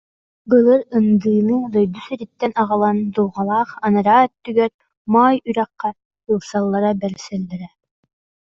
Былыр ындыыны дойду сириттэн аҕалан Дулҕалаах анараа өттүгэр Моой Үрэххэ ылсаллара-бэрсэллэрэ